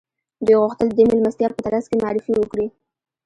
دوی غوښتل د دې مېلمستیا په ترڅ کې معرفي وکړي